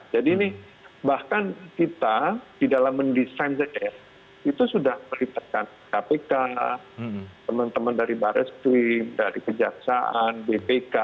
ini bahkan kita di dalam mendesain z itu sudah melibatkan kpk teman teman dari baris krim dari kejaksaan bpk